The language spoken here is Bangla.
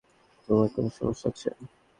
তোমার কোনো সমস্যা আছে?